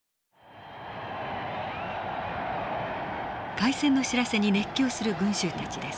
開戦の知らせに熱狂する群衆たちです。